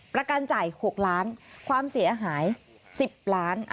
ประกันจ่าย๖ล้านความเสียหาย๑๐ล้าน